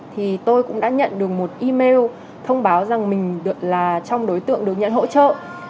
thì tôi cũng đã nhận được một email thông báo rằng mình được là trong đối tượng được nhận hỗ trợ